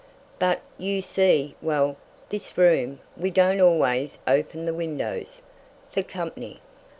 "But, you see well, this room we don't always open the windows fer company."